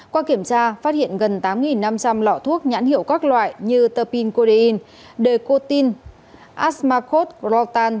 qua kiểm tra phát hiện gần tám năm trăm linh lọ thuốc nhãn hiệu các loại như terpincodein decotin asmacot grotan